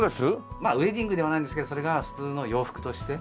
まあウェディングではないんですけどそれが普通の洋服として。